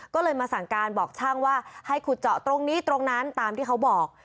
ก็เลยมาสั่งการบอกช่างว่าให้ขุดเจาะตรงนี้ตรงนั้นตามที่เขาบอก